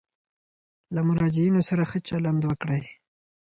له مراجعینو سره ښه چلند وکړئ.